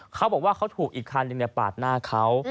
เขาบอกว่าเขาถูกอีกคันหนึ่งปาดหน้าเขา